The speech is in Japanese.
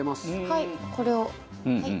はいこれをはい。